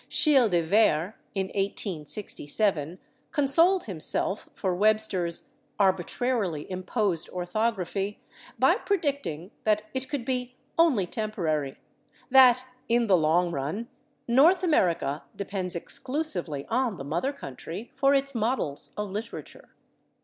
Schele de Vere, in 1867, consoled himself for Webster's "arbitrarily imposed orthography" by predicting that it could be "only temporary" that, in the long run, "North America depends exclusively on the mother country for its models of literature."